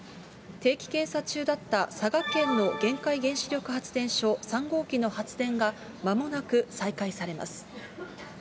定期検査中だった佐賀県の玄海原子力発電所３号機の発電が、まもなく再開されます。